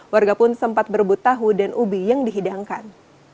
warga pun sempat berebut tahu dan ubi yang dihidangkan